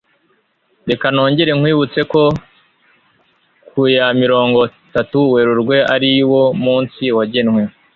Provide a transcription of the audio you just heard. Reka nongere nkwibutse ko ku ya mirongo tatu Werurwe ariwo munsi wagenwe.